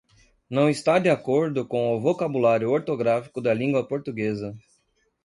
Não está de acordo com o vocábulário ortográfico da língua portuguesa.